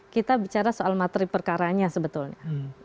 kita bicara soal materi perkaranya sebetulnya